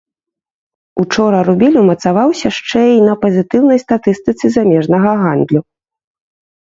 Учора рубель умацаваўся шчэ й на пазітыўнай статыстыцы замежнага гандлю.